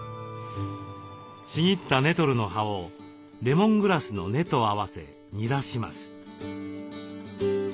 ちぎったネトルの葉をレモングラスの根と合わせ煮出します。